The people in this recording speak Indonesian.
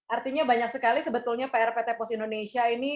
artinya banyak sekali sebetulnya pr pt pos indonesia ini